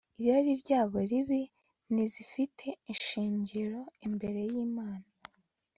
irari ryabo ribi ntizifite ishingiro imbere yImana